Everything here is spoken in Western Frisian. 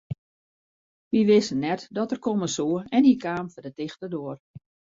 Wy wisten net dat er komme soe en hy kaam foar de tichte doar.